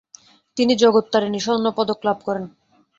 তিনি জগত্তারিণী স্বর্ণপদকলাভ করেন।